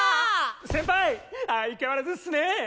先輩相変わらずっスね！